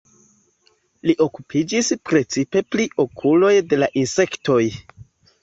Li okupiĝis precipe pri okuloj de la insektoj.